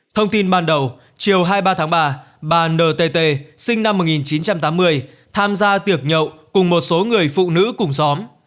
thông tin ban đầu chiều hai mươi ba tháng ba bà ntt sinh năm một nghìn chín trăm tám mươi tham gia tiệc nhậu cùng một số người phụ nữ cùng xóm